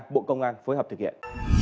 bộ công an phối hợp thực hiện